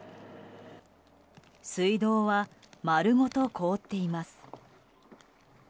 水道は、まるごと凍っています。